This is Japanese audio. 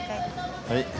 はい。